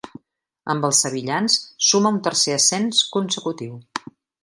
Amb els sevillans suma un tercer ascens consecutiu.